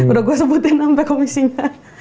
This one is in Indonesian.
udah gue sebutin sampai komisinya